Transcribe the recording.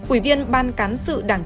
ủy viên ban cán sự đảng